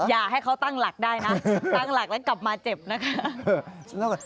อย่าให้เขาตั้งหลักได้นะตั้งหลักแล้วกลับมาเจ็บนะคะ